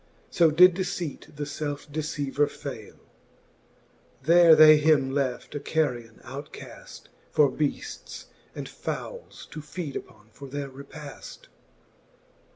So did deceipt the felfe deceiver fayle. There they him left a carrion outcaft ; For beafles and foules to feede upon for their repafl.